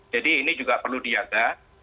jadi ini juga perlu diaga